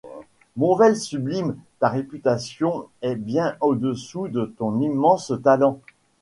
Monvel sublime, ta réputation est bien au-dessous de ton immense talent.